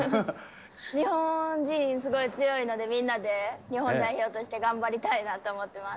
日本人すごい強いので、みんなで日本代表として頑張りたいなと思ってます。